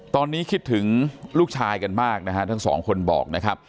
ตอนนี้คิดถึงลูกชายกันมากนะฮะทั้งสองคนบอกนะครับ